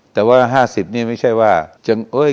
แต่ว่า๕๐นั้นไม่ใช่ว่าโยย